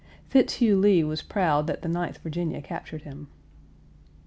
Fitzhugh Lee was proud that the Ninth Virginia captured him.